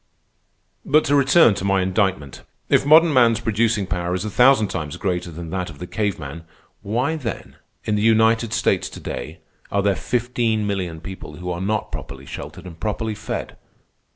"But to return to my indictment. If modern man's producing power is a thousand times greater than that of the cave man, why then, in the United States to day, are there fifteen million people who are not properly sheltered and properly fed?